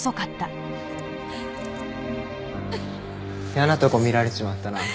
やなとこ見られちまったな。